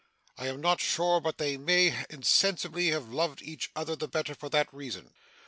I am not sure but they may insensibly have loved each other the better for that reason.